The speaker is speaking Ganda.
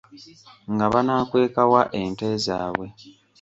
Nga banaakweka wa ente zaabwe?